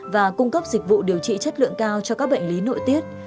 và cung cấp dịch vụ điều trị chất lượng cao cho các bệnh lý nội tiết